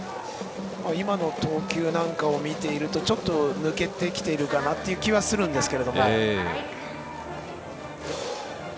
今の投球を見ているとちょっと抜けてきているかなという気はするんですが。